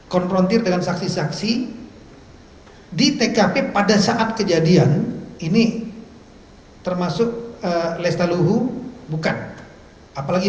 konfrontir dengan saksi saksi di tkp pada saat kejadian ini termasuk lestaluhu bukan apalagi